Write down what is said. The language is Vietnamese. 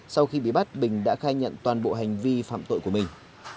sau khi bị bắt bình đã khai nhận toàn bộ hành vi phạm tội của mình